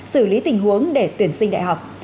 xử lý tình huống để tuyển sinh đại học